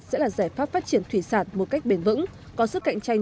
sẽ là giải pháp phát triển thủy sản một cách bền vững có sức cạnh tranh